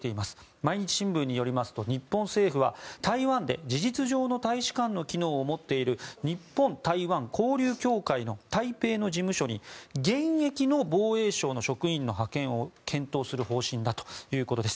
毎日新聞によりますと日本政府は台湾で事実上の大使館の機能を持っている日本台湾交流協会の台北の事務所に現役の防衛省の職員の派遣を検討する方針だということです。